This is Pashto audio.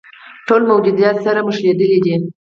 ټول موجودات سره نښلیدلي دي.